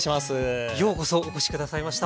ようこそお越し下さいました。